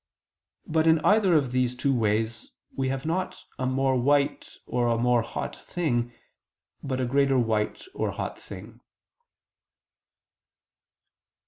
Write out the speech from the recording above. But in either of these two ways we have not a more white or a more hot thing, but a greater white or hot thing.